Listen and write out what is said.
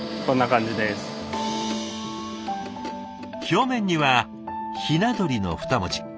表面には「雛鳥」の２文字。